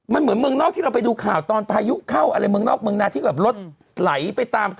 มันเหมือนเมืองนอกที่เราไปดูข่าวตอนพายุเข้าอะไรเมืองนอกเมืองนาที่แบบรถไหลไปตาม